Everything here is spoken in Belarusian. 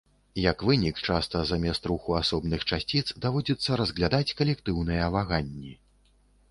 Як вынік, часта замест руху асобных часціц даводзіцца разглядаць калектыўныя ваганні.